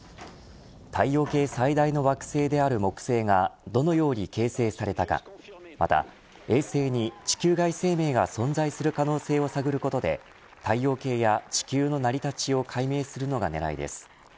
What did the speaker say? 太陽系最大の惑星である木星がどのように形成されたかまた衛星に地球外生命が存在する可能性を探ることで太陽系や地球の成り立ちを解明するのが狙いです。